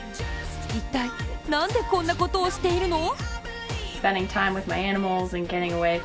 一体なんでこんなことをしているの？